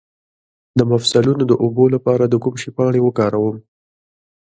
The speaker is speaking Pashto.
د مفصلونو د اوبو لپاره د کوم شي پاڼې وکاروم؟